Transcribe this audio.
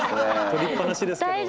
録りっぱなしですけど。